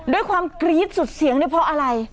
ด้วยความกรี๊ดสุดเสียงเนี่ยเพราะอะไร